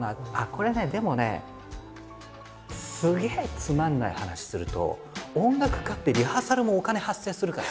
これねでもねすげえつまんない話すると音楽家ってリハーサルもお金発生するから。